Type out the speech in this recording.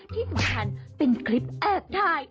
ที่สำคัญเป็นคลิปแอบถ่าย